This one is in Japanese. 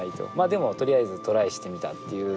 でもとりあえずトライしてみたという。